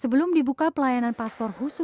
sebelum dibuka pelayanan paspor khusus